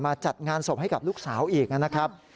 จัดงานศพให้กับลูกสาวอีกนะครับ